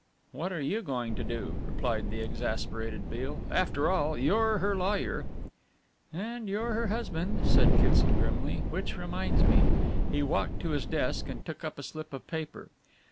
"What are you going to do?" replied the exasperated Beale, "after all, you're her lawyer." "And you're her husband," said Kitson grimly, "which reminds me." He walked to his desk and took up a slip of paper.